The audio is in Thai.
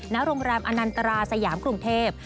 ณโรงแรมอนันตราสยามกรุงเทพ